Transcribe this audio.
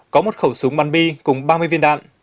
có một khẩu súng măn bi cùng ba mươi viên đạn